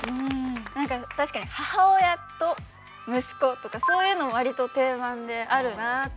何か確かに母親と息子とかそういうのわりと定番であるなって。